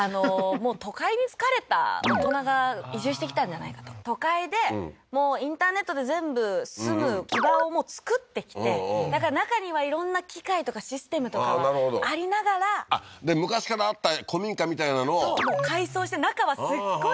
もう都会に疲れた大人が移住してきたんじゃないかと都会でもうインターネットで全部済む基盤をもう作ってきてだから中には色んな機械とかシステムとかはありながらあっ昔からあった古民家みたいなのをそう改装して中はすっごい